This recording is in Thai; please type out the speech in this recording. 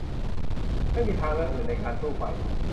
ไม่มีทางเลือกอื่นในการสู้ไป